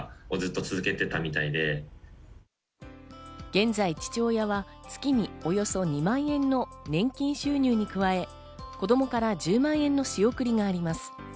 現在、父親は月におよそ２万円の年金収入に加え、子供から１０万円の仕送りがあります。